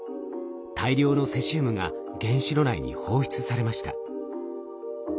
大量のセシウムが原子炉内に放出されました。